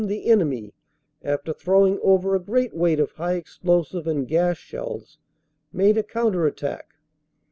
the enemy, after throwing over a great weight of high explosive and gas shells, made a counter attack.